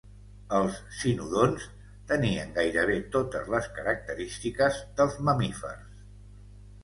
Els cinodonts tenien gairebé totes les característiques dels mamífers.